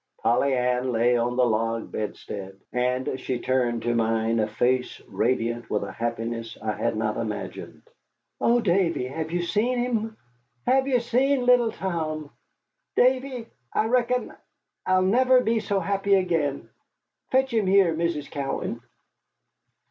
Polly Ann lay on the log bedstead, and she turned to mine a face radiant with a happiness I had not imagined. "Oh, Davy, have ye seen him? Have ye seen little Tom? Davy, I reckon I'll never be so happy again. Fetch him here, Mrs. Cowan."